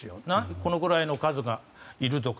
このくらいの数がいるとか。